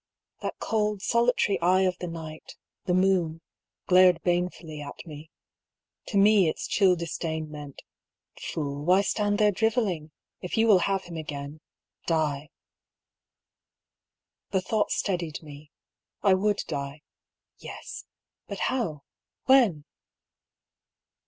That cold, solitary eye of the night — the moon — glared bane fnlly at me. To me its chill disdain meant: ^^Fool, why stand there drivelling ? If you will have him again, die:' The thought steadied me. I would die. Tes ; but how, when